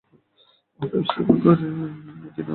মহাব্যবস্থাপক এর অধিনে থাকবে দুইজন উপ-মহাব্যবস্থাপক।